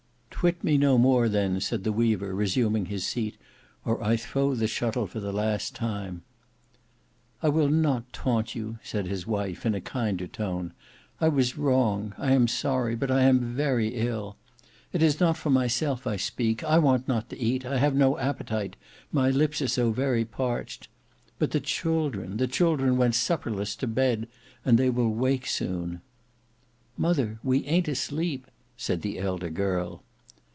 "Twit me no more then," said the weaver resuming his seat, "or I throw the shuttle for the last time." "I will not taunt you," said his wife in a kinder tone. "I was wrong; I am sorry; but I am very ill. It is not for myself I speak; I want not to eat; I have no appetite; my lips are so very parched. But the children, the children went supperless to bed, and they will wake soon." "Mother, we ayn't asleep," said the elder girl.